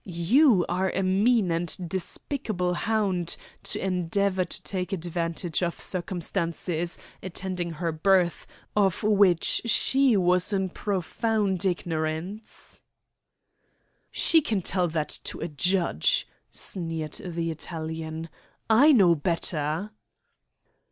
You are a mean and despicable hound to endeavour to take advantage of circumstances attending her birth of which she was in profound ignorance." "She can tell that to a judge," sneered the Italian. "I know better."